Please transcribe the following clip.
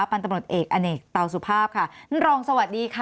พันตำรวจเอกอเนกเตาสุภาพค่ะท่านรองสวัสดีค่ะ